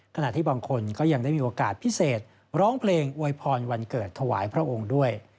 ขณะที่บางคนก็ยังได้มีโอกาสพิเศษร้องเพลงอวยพรวันเกิดถวายพระองค์ด้วย